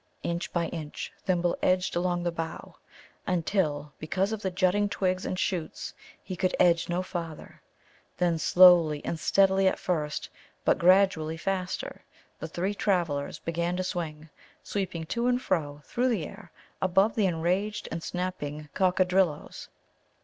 Inch by inch Thimble edged along the bough, until, because of the jutting twigs and shoots, he could edge no farther. Then, slowly and steadily at first, but gradually faster, the three travellers began to swing, sweeping to and fro through the air, above the enraged and snapping Coccadrilloes.